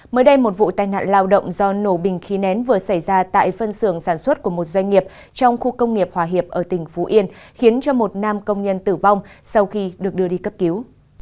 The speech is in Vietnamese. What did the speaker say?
mới đây một vụ tai nạn lao động do nổ bình khí nén vừa xảy ra tại phân xưởng sản xuất của một doanh nghiệp trong khu công nghiệp hòa hiệp ở tỉnh phú yên khiến cho một nam công nhân tử vong sau khi được đưa đi cấp cứu